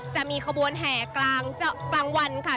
จะมีขบวนแห่กลางวันค่ะ